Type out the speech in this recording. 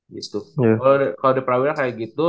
kalau di prawira kayak gitu